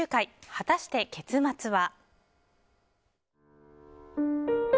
果たして結末は？